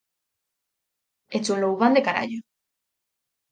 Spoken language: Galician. Éche un loubán de carallo.